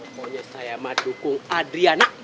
pokoknya saya mah dukung adriana